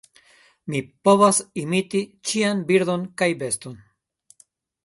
Mi povas imiti ĉian birdon kaj beston.